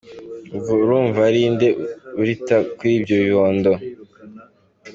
Ubwo urumva ari inde urita kuri ibyo bibondo?”.